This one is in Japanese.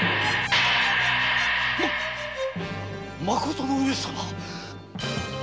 まことの上様！？